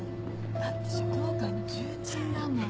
だって書道界の重鎮だもん。